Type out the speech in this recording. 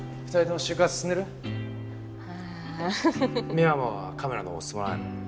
深山はカメラのほう進まないの？